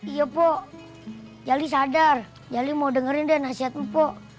iya mpok jali sadar jali mau dengerin deh nasihat lo mpok